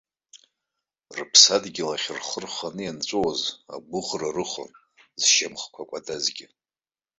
Рыԥсадгьыл ахь рхы рханы ианцауаз, агәыӷра рыхон, зшьамхқәа кәадазгьы.